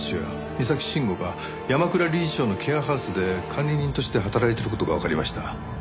三崎慎吾が山倉理事長のケアハウスで管理人として働いてた事がわかりました。